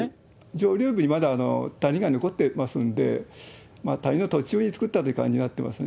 上流部にまだ谷が残ってますんで、谷の途中で作ったという感じになってますね。